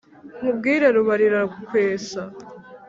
nkubwire rubarira-kwesa